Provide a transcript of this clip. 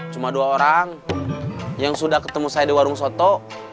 cuma dua orang yang sudah ketemu saya di warung soto